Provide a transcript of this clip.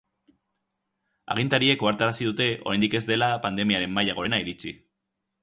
Agintariek ohartarazi dute oraindik ez dela pandemiaren maila gorena iritsi.